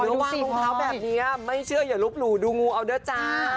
อยู่ระวังตัวแบบนี้ไม่เชื่ออย่ารุบหรูดูงูเอานะจ้า